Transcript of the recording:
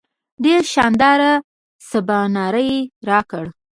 ډېر شانداره سباناری راکړ.